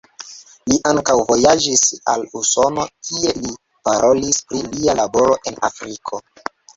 Li ankaŭ vojaĝis al Usono, kie li parolis pri lia laboro en Afriko.